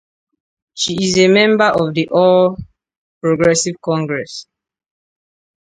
She is a member of the All Progressive Congress.